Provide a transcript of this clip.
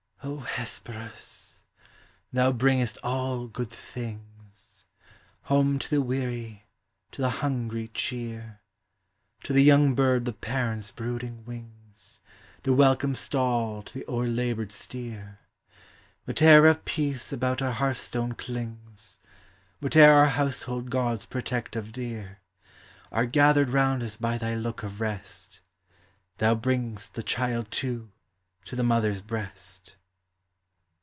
O Hesperus! thou bringest all good things, — Home to the weary, to the hungry cheer, To the young bird the parent's brooding wings* The welcome stall to the o'erlabored steer; Whate'er of peace about our hearthstone clings, Whate'er our household gods protect of dear, Are gathered round us by thy look of rest ; Thou bring'st the child, too, to the mother's breast.